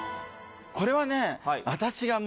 これはね